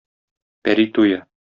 Пәри туе.